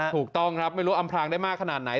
ถูกต้องครับไม่รู้อำพลางได้มากขนาดไหน